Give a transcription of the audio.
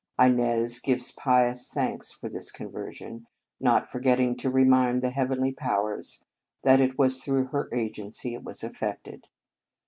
Inez gives pious thanks for this conversion, not forgetting to remind the Heavenly powers that it was through her agency it was effected.